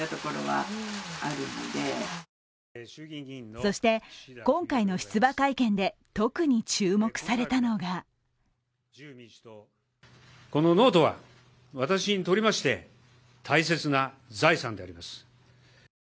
そして今回の出馬会見で特に注目されたのがこのノートは私にとりまして大切な財産であります。